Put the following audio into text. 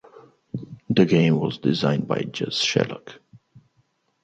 The game was designed by Jez Sherlock.